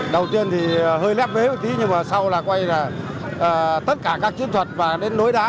đầu tiên thì hơi lép vế một tí nhưng mà sau là quay là tất cả các chiến thuật và đến đối đá